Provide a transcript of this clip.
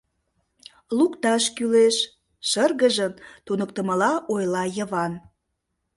— Лукташ кӱлеш, — шыргыжын, туныктымыла ойла Йыван.